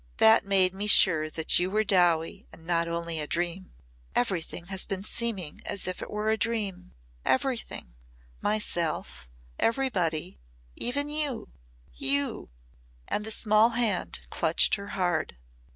That made me sure that you were Dowie and not only a dream. Everything has been seeming as if it were a dream everything myself everybody even you you!" And the small hand clutched her hard.